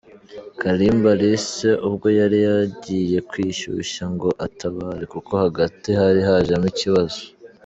Kalimba Alice ubwo yari agiye kwishyushya ngo atabare kuko hagati hari hajemo ikibazo.